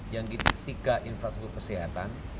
yang ketiga infrastruktur kesehatan